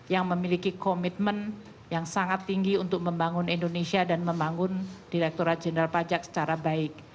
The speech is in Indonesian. yang memiliki komitmen yang sangat tinggi untuk membangun indonesia dan membangun direkturat jenderal pajak secara baik